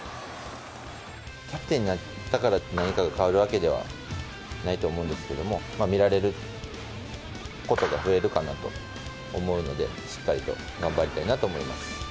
キャプテンになったからって、何かが変わるわけではないと思うんですけれども、見られることが増えるかなと思うので、しっかりと頑張りたいなと思います。